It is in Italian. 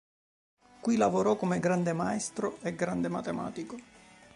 Qui lavorò come grande maestro e grande matematico.